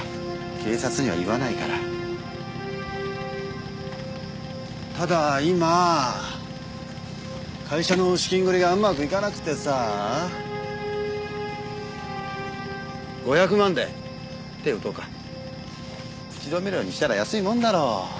警察には言わなただ今会社の資金繰りがうまくいかなくてさぁ５００万で手を打とうか口止め料にしたら安いもんだろう？